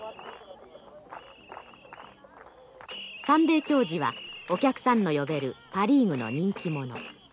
サンデー兆治はお客さんの呼べるパ・リーグの人気者。